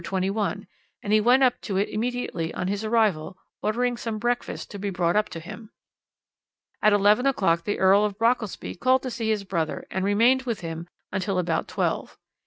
21, and he went up to it immediately on his arrival, ordering some breakfast to be brought up to him. "At eleven o'clock the Earl of Brockelsby called to see his brother and remained with him until about twelve.